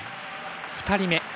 ２人目。